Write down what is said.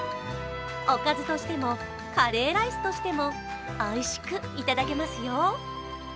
おかずとしてもカレーライスとしてもおいしくいただけますよ。